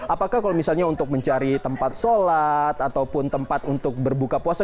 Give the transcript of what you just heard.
apakah kalau misalnya untuk mencari tempat sholat ataupun tempat untuk berbuka puasa